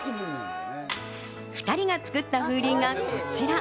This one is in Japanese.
２人が作った風鈴がこちら。